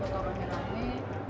selfie buat teman teman